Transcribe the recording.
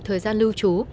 thời gian lưu trú